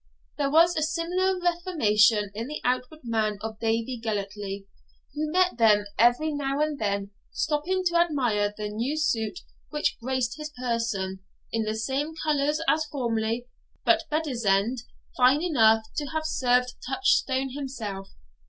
There was a similar reformation in the outward man of Davie Gellatley, who met them, every now and then stopping to admire the new suit which graced his person, in the same colours as formerly, but bedizened fine enough to have served Touchstone himself.